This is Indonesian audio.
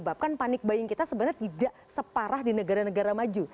dan panik bayang kita sebenarnya tidak separah di negara negara maju